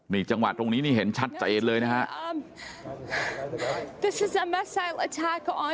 นี่จังหวะตรงนี้นี่เห็นชัดเจนเลยนะฮะ